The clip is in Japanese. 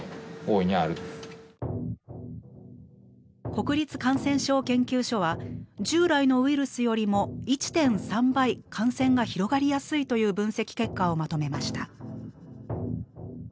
国立感染症研究所は従来のウイルスよりも１．３倍感染が広がりやすいという分析結果をまとめました。